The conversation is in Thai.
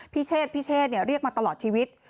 พี่เชศเรียกมาตลอดชีวิต